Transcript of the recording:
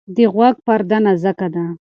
د غوږ پرده نازکه ده.